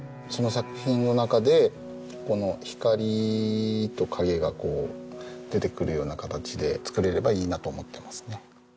その作品の中で光と影が出てくるような形で作れればいいなと思ってますね。